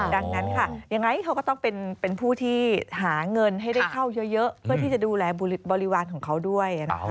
ดังนั้นค่ะยังไงเขาก็ต้องเป็นผู้ที่หาเงินให้ได้เข้าเยอะเพื่อที่จะดูแลบริวารของเขาด้วย